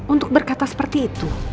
untuk berkata seperti itu